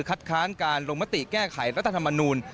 ค้านการลงมติแก้ไขรัฐธรรมนูล